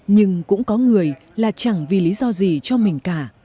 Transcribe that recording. nhưng cũng có người là chẳng vì lý do gì cho mình cả